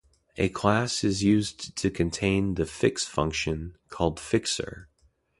A class is used to contain the "fix" function, called "fixer".